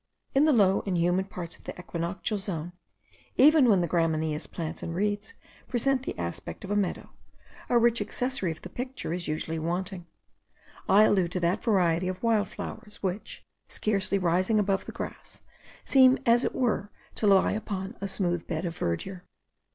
In the low and humid parts of the equinoctial zone, even when the gramineous plants and reeds present the aspect of a meadow, a rich accessory of the picture is usually wanting; I allude to that variety of wild flowers, which, scarcely rising above the grass, seem as it were, to lie upon a smooth bed of verdure.